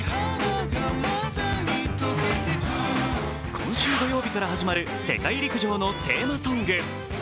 今週土曜日から始まる世界陸上のテーマソング。